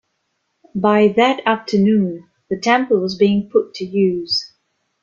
By that afternoon, the temple was being put to use.